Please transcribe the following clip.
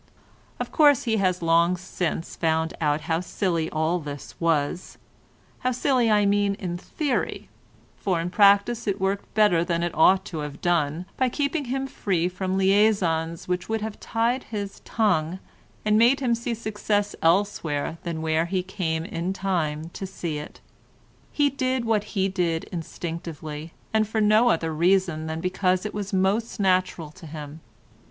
Of course he has long since found out how silly all this was, how silly I mean in theory, for in practice it worked better than it ought to have done, by keeping him free from liaisons which would have tied his tongue and made him see success elsewhere than where he came in time to see it. He did what he did instinctively and for no other reason than because it was most natural to him.